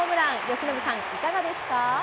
由伸さん、いかがですか。